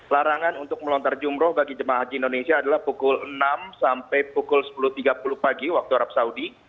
larangan untuk melontar jumroh bagi jemaah haji indonesia adalah pukul enam sampai pukul sepuluh tiga puluh pagi waktu arab saudi